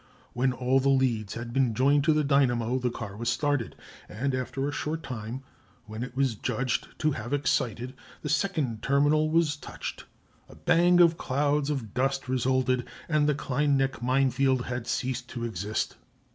When all the leads had been joined to the dynamo the car was started, and after a short time, when it was judged to have excited, the second terminal was touched, a bang and clouds of dust resulted, and the Klein Nek Minefield had ceased to exist.